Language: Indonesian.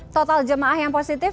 total jemaah yang positif